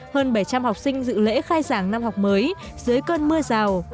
hơn bảy trăm linh học sinh dự lễ khai giảng năm học mới dưới cơn mưa rào